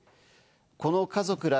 この家族ら